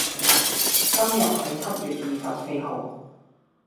今日係七月二十四號